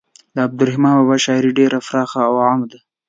د عبدالرحمان بابا شاعري ډیره پراخه او عامه ده.